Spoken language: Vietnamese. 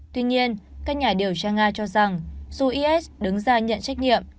tuy nhiên các nhà điều tra nga cho rằng dù is đứng ra nhận trách nhiệm